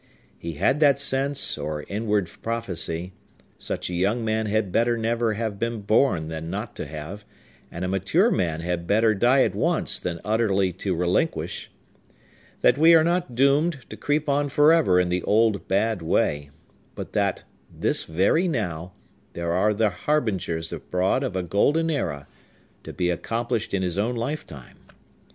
He had that sense, or inward prophecy,—which a young man had better never have been born than not to have, and a mature man had better die at once than utterly to relinquish,—that we are not doomed to creep on forever in the old bad way, but that, this very now, there are the harbingers abroad of a golden era, to be accomplished in his own lifetime.